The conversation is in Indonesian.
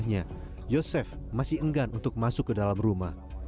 sebelumnya yosef masih enggan untuk masuk ke dalam rumah